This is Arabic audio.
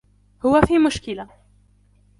هو في مشكلة.